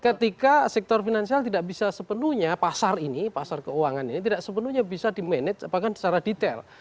ketika sektor finansial tidak bisa sepenuhnya pasar ini pasar keuangan ini tidak sepenuhnya bisa di manage bahkan secara detail